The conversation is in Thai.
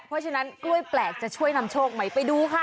เพราะฉะนั้นกล้วยแปลกจะช่วยนำโชคไหมไปดูค่ะ